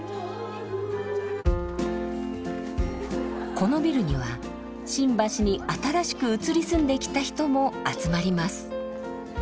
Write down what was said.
このビルには新橋に新しく移り住んできた人も集まります。